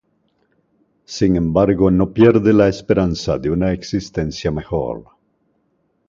Sin embargo no pierde la esperanza de una existencia mejor.